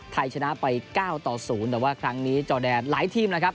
ไทยชนะไป๙ต่อ๐แต่ว่าครั้งนี้จอแดนหลายทีมนะครับ